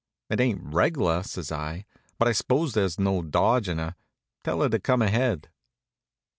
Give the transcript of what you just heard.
"It ain't reg'lar," says I, "but I s'pose there's no dodgin' her. Tell her to come ahead."